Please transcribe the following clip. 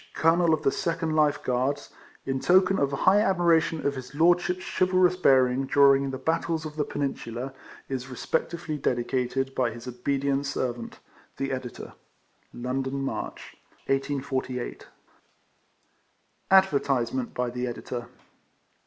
COLONEL OF THE SECOND LIFE GUARDS, &c. &e., IN TOKEN OF HIGH ADMIRATION OF HIS LORDSHIP's CHIVALROUS BEARING DURING THE BATTLES OF THE PENINSULA, IS RESPECTFULLY DEDICATED, . BY HIS OBEDIENT SERVANT, THE EDITOE. London, March, 1848. ADVERTISEMENT BY THE EDITOR.